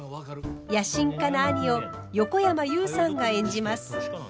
野心家な兄を横山裕さんが演じます。